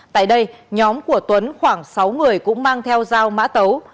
tại đây nhóm của tuấn khoảng sáu người cũng mang theo dao mã tấu